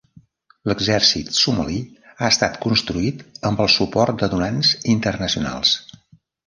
L'exèrcit somali ha estat construït amb el suport de donants internacionals.